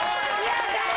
・やったー！